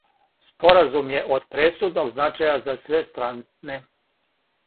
Споразум је од пресудног значаја за све стране.